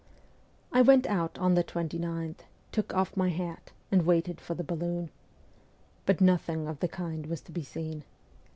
I went out on the 29th, took off my hat, and waited for the balloon. But nothing of the kind was to be seen.